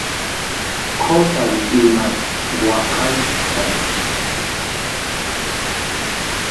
qosay imat waqaychan